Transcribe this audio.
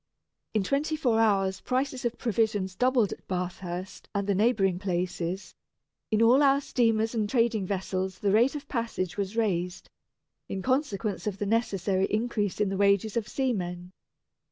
In twenty four hours prices of provisions doubled at Bathurst and the neighbouring places. In all our steamers and trading vessels the rate of passage was raised, in consequence of the necessary increase in the wages of seamen.